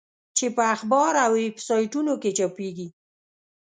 چې په اخبار او ویب سایټونو کې چاپېږي.